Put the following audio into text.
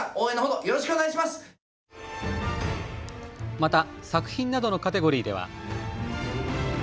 また作品などのカテゴリーでは。